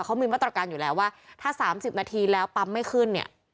เขามีมาตรการอยู่แล้วว่าถ้า๓๐นาทีแล้วปั๊มไม่ขึ้นเนี่ย